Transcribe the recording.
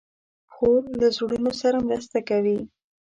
خور له زړونو سره مرسته کوي.